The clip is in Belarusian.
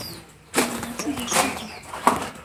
А баяцца ёсць чаго.